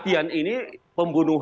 itu bisa menjadi petunjuk